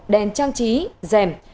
đèn trang trí rèm